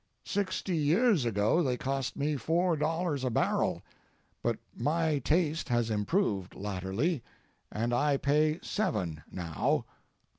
Sixty years ago they cost me four dollars a barrel, but my taste has improved, latterly, and I pay seven, now.